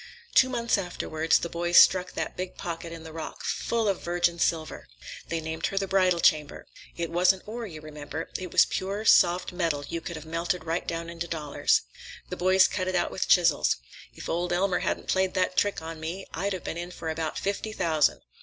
Two months afterward, the boys struck that big pocket in the rock, full of virgin silver. They named her the Bridal Chamber. It wasn't ore, you remember. It was pure, soft metal you could have melted right down into dollars. The boys cut it out with chisels. If old Elmer hadn't played that trick on me, I'd have been in for about fifty thousand.